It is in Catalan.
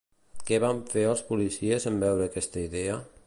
Què van fer els policies en veure aquesta idea?